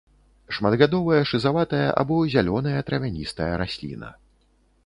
Шматгадовая шызаватая або зялёная травяністая расліна.